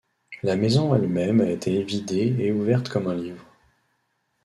La maison elle-même a été évidée et ouverte comme un livre.